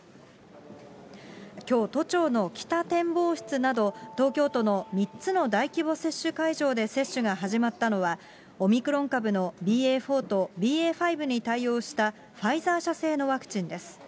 きょう、都庁の北展望室など、東京都の３つの大規模接種会場で接種が始まったのは、オミクロン株のＢＡ．４とＢＡ．５に対応したファイザー社製のワクチンです。